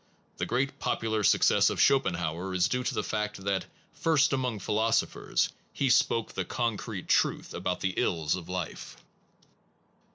The great popular success of Schopenhauer is due to the fact that, first among philosophers, he spoke the concrete truth about the ills of life.